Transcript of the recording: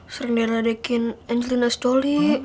sering diradekin angelina s jolly